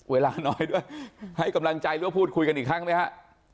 เวลาน้อยด้วยให้กำลังใจหรือว่าพูดคุยกันอีกครั้งไหมฮะ